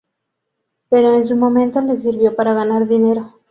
Pero en su momento le sirvió para ganar dinero.